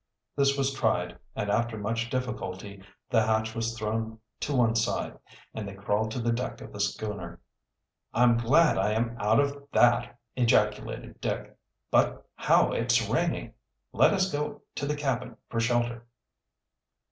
This was tried, and after much difficulty the hatch was thrown to one side, and they crawled to the deck of the schooner. "I'm glad I am out of that!" ejaculated Dick. "But how it's raining! Let us go to the cabin for shelter."